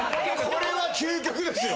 これは究極ですよ。